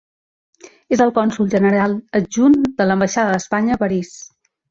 És cònsol general adjunt de l'ambaixada d'Espanya a París.